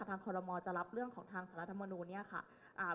ทางคลมอจะรับเรื่องของทางสาธารณธรรมดูเนี้ยค่ะอ่า